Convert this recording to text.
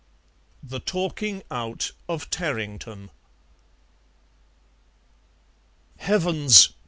THE TALKING OUT OF TARRINGTON "Heavens!"